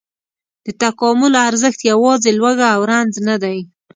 د تکامل ارزښت یواځې لوږه او رنځ نه دی.